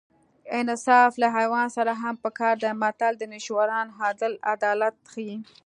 انصاف له حیوان سره هم په کار دی متل د نوشیروان عادل عدالت ښيي